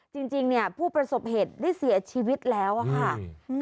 จริงจริงเนี่ยผู้ประสบเหตุได้เสียชีวิตแล้วอะค่ะ